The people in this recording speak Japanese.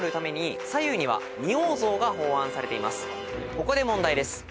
ここで問題です。